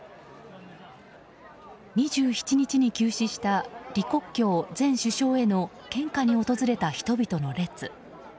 ２７日に急死した李克強前首相への献花に訪れた人々の列。